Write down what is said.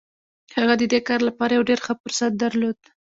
هغه د دې کار لپاره يو ډېر ښه فرصت درلود.